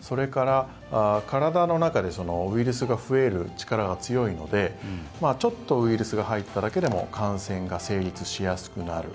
それから体の中でウイルスが増える力が強いのでちょっとウイルスが入っただけでも感染が成立しやすくなる。